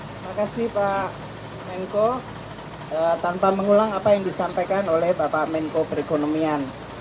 terima kasih pak menko tanpa mengulang apa yang disampaikan oleh bapak menko perekonomian